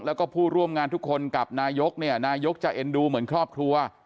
แล้วก็ผู้ร่วมงานทุกคนกับนายกเนี่ยนายกจะเอ็นดูเหมือนครอบครัว